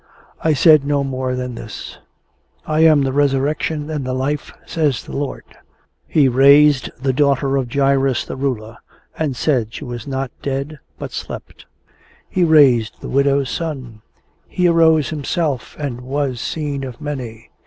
I said no more than this: "I am the Resurrection and the Life, saith the Lord. He raised the daughter of Jairus the ruler, and said she was not dead but slept. He raised the widow's son. He arose Himself, and was seen of many.